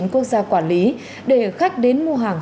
quốc gia quản lý để khách đến mua hàng